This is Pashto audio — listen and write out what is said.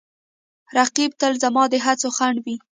رقیب تل زما د هڅو خنډ وي